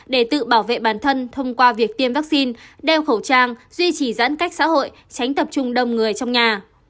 để tự bảo vệ bản thân thông qua việc tiêm vaccine đeo khẩu trang duy trì giãn cách xã hội tránh tập trung đông người trong nhà